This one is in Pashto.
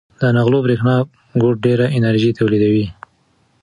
د نغلو برېښنا کوټ ډېره انرژي تولیدوي.